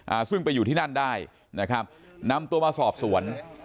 อ่าซึ่งไปอยู่ที่นั่นได้นะครับนำตัวมาสอบสวน